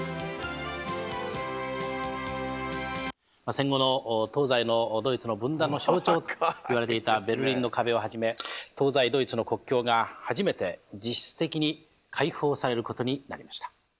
戦後の東西のドイツの分断の象徴といわれていたベルリンの壁をはじめ東西ドイツの国境が初めて実質的に開放されることになりました。